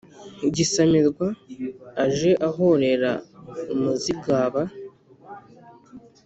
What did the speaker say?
gisamirwa aje ahorera umuzigaba,